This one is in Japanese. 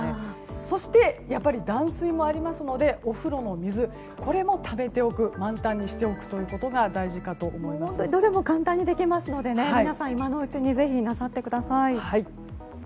そして、断水もありますのでお風呂の水これもためておくことがどれも簡単にできますので皆さん今のうちにぜひなさってください。